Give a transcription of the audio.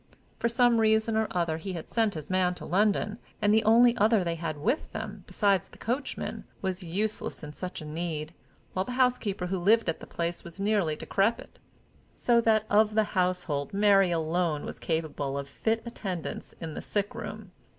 For some reason or other, he had sent his man to London, and the only other they had with them, besides the coachman, was useless in such a need, while the housekeeper who lived at the place was nearly decrepit; so that of the household Mary alone was capable of fit attendance in the sickroom.